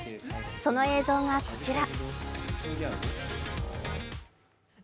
その映像がこちら。